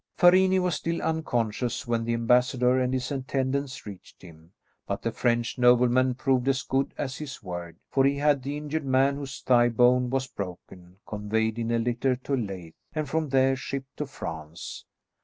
Farini was still unconscious when the ambassador and his attendants reached him; but the French nobleman proved as good as his word, for he had the injured man, whose thigh bone was broken, conveyed in a litter to Leith, and from there shipped to France.